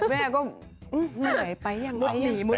แม่ก็เหนื่อยไปยังหัวหนี